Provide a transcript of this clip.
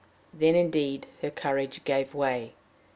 Then, indeed, her courage gave way.